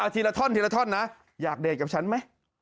ทีละท่อนนะอยากเดทกับฉันไหม